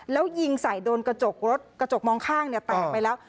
แล้วยิงใส่โดนกระจกรถกระจกมองข้างเนี่ยแตกไปแล้ว